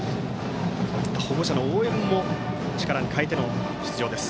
保護者の応援も力に変えての出場です。